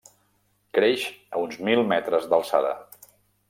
Creix a uns mil metres d'alçada.